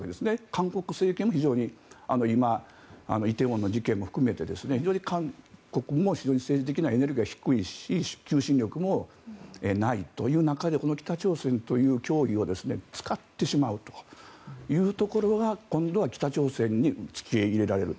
韓国政権非常に今、梨泰院の事件も含めて非常に韓国も政治的なエネルギーは低いし求心力もないという中でこの北朝鮮という脅威を使ってしまうということが今度は北朝鮮に付け入れられる。